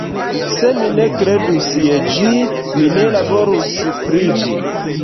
Se mi ne kredus je ĝi, mi ne laborus pri ĝi.